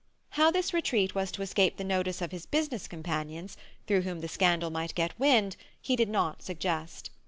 How this retreat was to escape the notice of his business companions, through whom the scandal might get wind, he did not suggest.